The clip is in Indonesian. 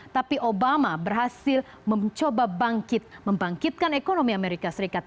tapi obama berhasil mencoba bangkit membangkitkan ekonomi amerika serikat